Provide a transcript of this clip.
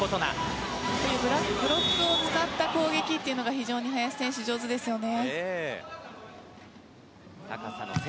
ブロックを使った攻撃が非常に林選手、上手ですね。